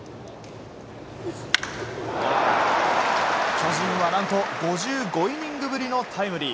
巨人は何と５５イニングぶりのタイムリー。